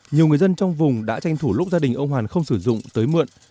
nhiều người dân trong vùng đã tranh thủ lúc gia đình ông hoàn không sử dụng tới mượn